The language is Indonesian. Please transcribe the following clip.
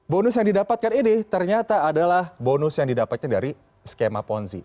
bonus yang didapatkan ini ternyata adalah bonus yang didapatnya dari skema ponzi